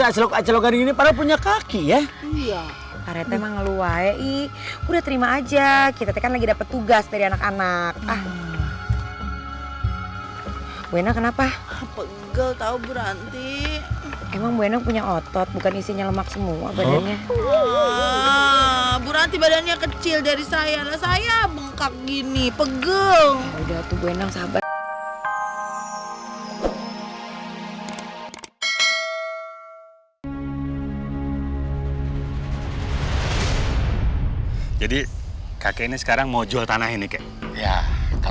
sampai jumpa di video selanjutnya